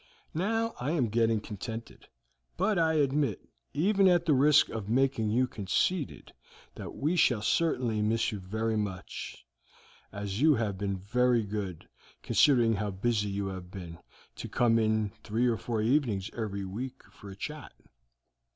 Now I am getting contented; but I admit, even at the risk of making you conceited, that we shall certainly miss you very much, as you have been very good, considering how busy you have been, to come in three or four evenings every week for a chat."